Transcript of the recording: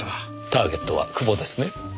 ターゲットは久保ですね。